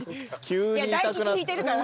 大吉引いてるから。